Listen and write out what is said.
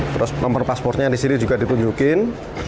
terus nomor paspornya di sini juga ditunjukin